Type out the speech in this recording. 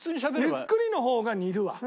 ゆっくりの方が似るわ。